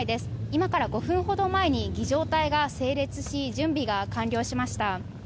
今から５分ほど前に儀仗隊が整列し準備が完了しました。